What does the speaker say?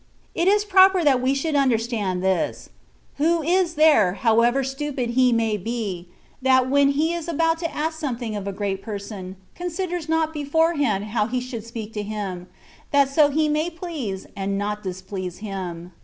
It is proper that we should understand i;his. Who is there, however stupid he may be. THE WAY OF PERFECTION. 145 that when he is about to ask something of a great person, considers not beforehand how he should speak to him, that so he may please, and not dis please him.